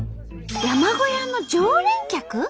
山小屋の常連客？